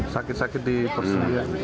sakit sakit di persendirian